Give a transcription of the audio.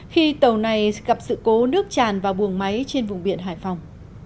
khi tàu này gặp sự cố nước tràn vào buồng máy trên vùng biển hải phòng